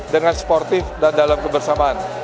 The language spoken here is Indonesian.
dengan sportif dan dalam kebersamaan